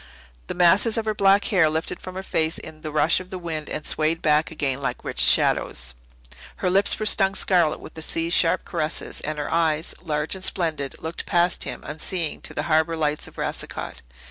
The masses of her black hair lifted from her face in the rush of the wind and swayed back again like rich shadows. Her lips were stung scarlet with the sea's sharp caresses, and her eyes, large and splendid, looked past him unseeing to the harbour lights of Racicot.